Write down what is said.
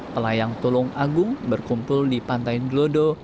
pelayang tulung agung berkumpul di pantai glodo